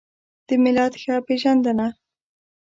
د ملت ښه پېژندنه